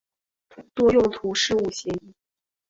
多用途事务协议。